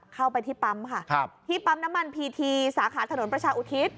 เข้าไปที่ปั๊มค่ะครับที่ปั๊มน้ำมันพีทีสาขาถนนประชาอุทิศ